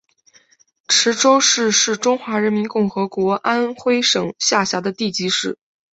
池州市是中华人民共和国安徽省下辖的地级市。